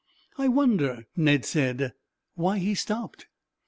"I wonder," Ned said, "why he stopped."